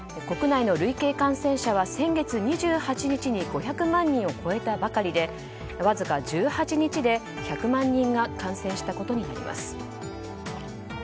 国内の累計感染者は先月２８日に５００万人を超えたばかりでわずか１８日で１００万人が感染したことになります。